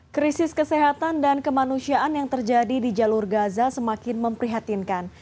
krisis kesehatan dan kemanusiaan yang terjadi di jalur gaza semakin memprihatinkan